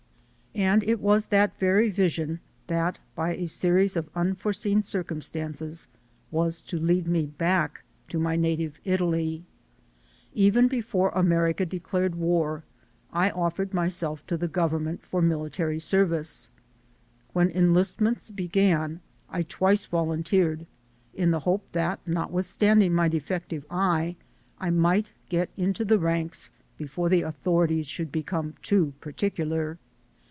And it was that very vision that, by a series of unforeseen circumstances, was to lead me back to my native Italy. Even before America declared war, I offered myself to the Government for military service. When enlistments began, I twice volunteered in the hope that, notwithstanding my defective eye, I might get into the ranks before the authorities should become too particular.